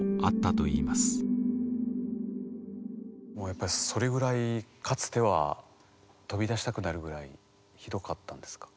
やっぱりそれぐらいかつては飛び出したくなるぐらいひどかったんですか？